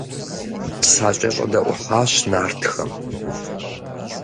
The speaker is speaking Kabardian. СакӀэщӀэдэӀухьащ нартхэм.